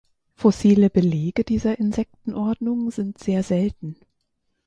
Fossile Belege dieser Insektenordnung sind sehr selten.